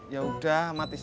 ya udah mati saja